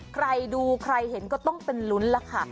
ใครดูใครเห็นก็ต้องเป็นลุ้นล่ะค่ะ